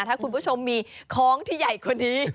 ถ้าคุณผู้ชมมีค้องที่ใหญ่คนนี้